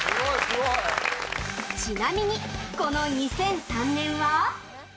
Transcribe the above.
ちなみにこの２００３年は